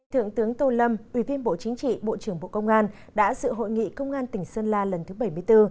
thượng tướng tô lâm ủy viên bộ chính trị bộ trưởng bộ công an đã dự hội nghị công an tỉnh sơn la lần thứ bảy mươi bốn